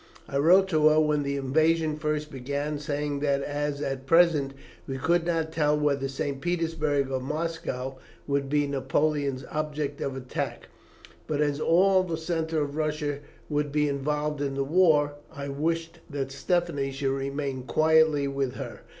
I wrote to her when the invasion first began, saying that as at present we could not tell whether St. Petersburg or Moscow would be Napoleon's object of attack, but as all the centre of Russia would be involved in the war, I wished that Stephanie should remain quietly with her.